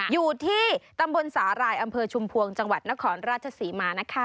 อยู่ที่ตำบลสาหร่ายอำเภอชุมพวงจังหวัดนครราชศรีมานะคะ